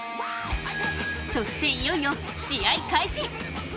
そして、いよいよ試合開始。